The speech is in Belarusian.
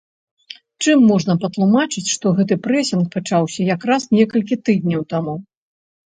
Чым можна патлумачыць, што гэты прэсінг пачаўся якраз некалькі тыдняў таму?